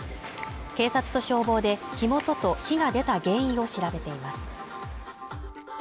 警察と消防で、火元と火が出た原因を調べています。